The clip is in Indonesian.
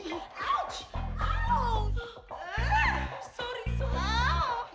punya kalau gak ada pasang lu gue tabrak